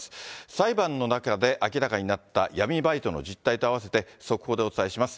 裁判の中で明らかになった闇バイトの実態とあわせて、速報でお伝えします。